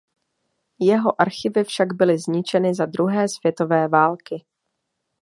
Jeho archivy však byly zničeny za druhé světové války.